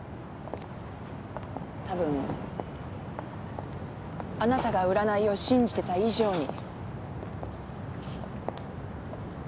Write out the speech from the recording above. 多分あなたが占いを信じてた以上に。